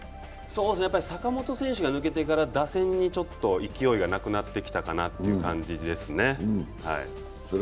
やっぱり坂本選手が抜けてから打線に勢いがなくなってきたかなという感じですね。